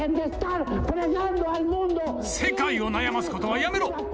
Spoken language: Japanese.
世界を悩ますことはやめろ！